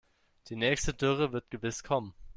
Die nächste Dürre wird gewiss kommen.